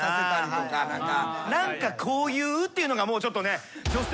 「何かこういう」っていうのがもうちょっとね。